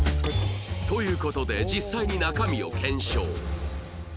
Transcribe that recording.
という事で実際に中身を検証